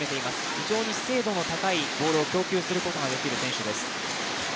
非常に精度の高いボールを供給することができる選手です。